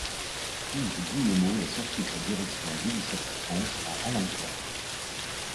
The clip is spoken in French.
Yves Guillemot laisse ensuite la direction d'Ubisoft France à Alain Corre.